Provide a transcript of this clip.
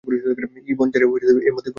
ইবন জারীরও এ মতই গ্রহণ করেছেন।